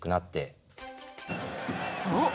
そう！